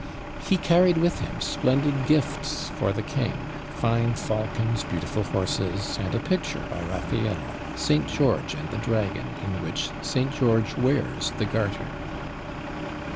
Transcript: He carried with him splendid gifts for the King, fine falcons, beautiful horses, and a picture by Raffael St. George and the Dragon, in which St. George wears "the Garter."